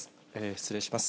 失礼します。